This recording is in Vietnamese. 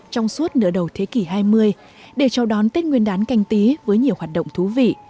trong suốt nửa đầu thế kỷ hai mươi để chào đón tết nguyên đán canh tí với nhiều hoạt động thú vị